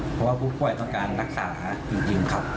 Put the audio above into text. เพราะว่าผู้ป่วยต้องการรักษาจริงครับ